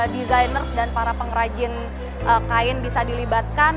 designers dan para pengrajin kain bisa dilibatkan